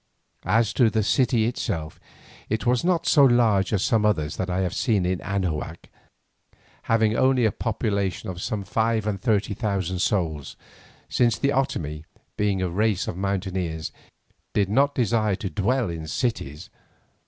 As to the city itself, it was not so large as some others that I have seen in Anahuac, having only a population of some five and thirty thousand souls, since the Otomie, being a race of mountaineers, did not desire to dwell in cities.